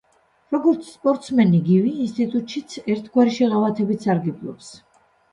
როგორც სპორტსმენი გივი ინსტიტუტშიც ერთგვარი შეღავათებით სარგებლობს.